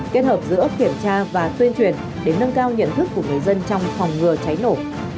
kết hợp giữa kiểm tra và tuyên truyền để nâng cao nhận thức của người dân trong phòng ngừa cháy nổ